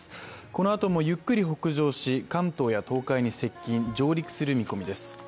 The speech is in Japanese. このあともゆっくり北上し関東や東海に接近、上陸する見込みです。